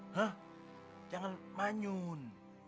hah jangan manyun